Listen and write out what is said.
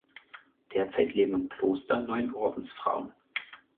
Derzeit leben im Kloster neun Ordensfrauen.